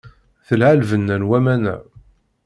Telha lbenna n waman-a.